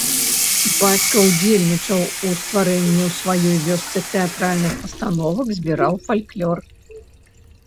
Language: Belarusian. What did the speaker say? Бацька ўдзельнічаў у стварэнні ў сваёй вёсцы тэатральных пастановак, збіраў фальклор.